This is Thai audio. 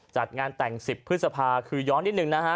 จัดงานแต่ง๑๐พฤษภาคือย้อนนิดนึงนะฮะ